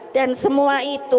dan semua itu